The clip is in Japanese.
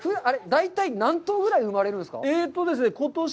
大体何頭ぐらい生まれるんですか？